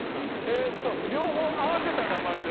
えっと両方合わせた名前で。